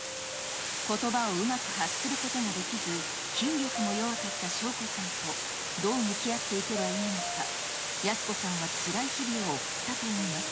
ことばをうまく発することができず、筋力も弱かった翔子さんとどう向き合っていけばいいのか、泰子さんはつらい日々を送ったといいます。